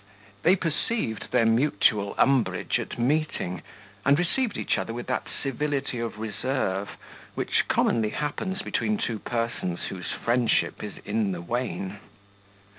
They, perceived their mutual umbrage at meeting, and received each other with that civility of reserve which commonly happens between two persons whose friendship is in the wane.